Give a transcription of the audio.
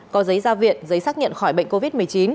có giấy gia viện giấy xác nhận khỏi bệnh covid một mươi chín